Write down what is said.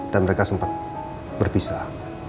dan mereka sempet berpisah